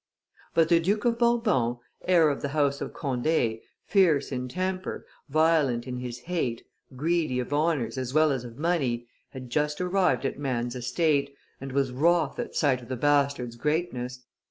But the Duke of Bourbon, heir of the House of Conde, fierce in temper, violent in his hate, greedy of honors as well as of money, had just arrived at man's estate, and was wroth at sight of the bastards' greatness.